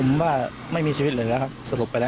ตอนนั้นเขาก็เลยรีบวิ่งออกมาดูตอนนั้นเขาก็เลยรีบวิ่งออกมาดู